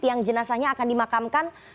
yang jenazahnya akan dimakamkan